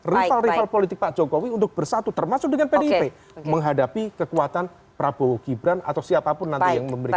rival rival politik pak jokowi untuk bersatu termasuk dengan pdip menghadapi kekuatan prabowo gibran atau siapapun nanti yang memberikan